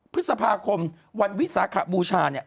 พฤษภาคมวันวิสาขบูชาเนี่ย